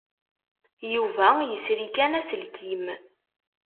Yuba yesri kan aselkim.